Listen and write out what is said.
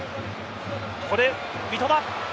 ここで三笘。